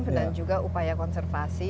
dan juga upaya konservasi